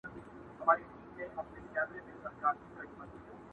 دا حلال به لا تر څو پر موږ حرام وي.